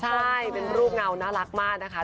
ใช่เป็นรูปเงาน่ารักมากนะคะ